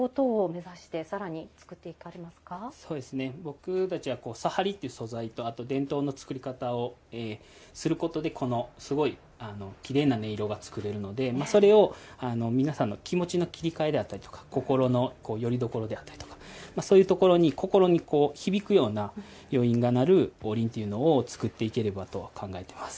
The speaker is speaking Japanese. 僕たちは佐波理っていう素材とあと伝統の作り方をすることでこのすごいきれいな音色が作れるのでそれを皆さんの気持ちの切り替えであったりとか心のよりどころであったりとかそういうところに心に響くような余韻が鳴るおりんっていうのを作っていければと考えてます。